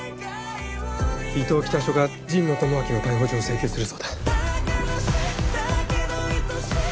伊東北署が神野智明の逮捕状を請求するそうだ。